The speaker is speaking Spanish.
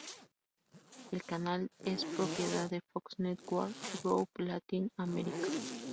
El canal es propiedad de Fox Networks Group Latin America.